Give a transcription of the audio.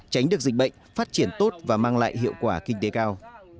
tránh được dịch bệnh phát triển tốt và mang lại hiệu quả kinh tế cao